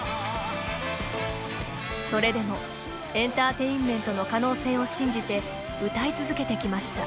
それでもエンターテインメントの可能性を信じて歌い続けてきました。